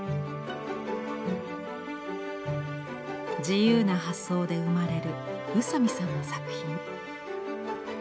自由な発想で生まれる宇佐美さんの作品。